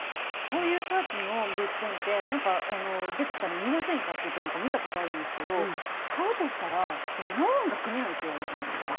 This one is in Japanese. こういうタイプの物件ってなんか「出てきたので見ませんか？」っていって見た事あるんですけど「買うとしたらローンが組めない」って言われたんですよ。